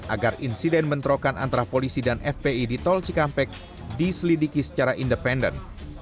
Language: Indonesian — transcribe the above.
agar insiden bentrokan antara polisi dan fpi di tol cikampek diselidiki secara independen